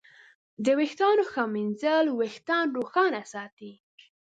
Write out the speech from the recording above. د ویښتانو ښه ږمنځول وېښتان روښانه ساتي.